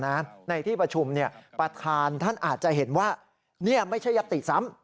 ในที่ประชุมประธานท่านอาจจะเห็นว่านี่ไม่ใช่ยัตติซ้ำ